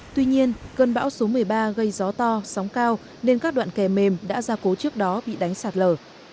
tuy nhiên cơn bão số một mươi ba gây gió to sóng cao nên các đoạn kè mềm đã ra cố trước đó bị đánh sạt lở